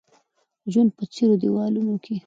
ژوند په څيرو دېوالو کې